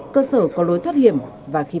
cơ sở có lối thoát hiểm và khí hợp